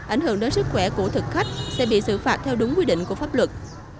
ảnh hưởng đến sức khỏe của thực khách sẽ bị xử phạt theo đúng quy định của pháp luật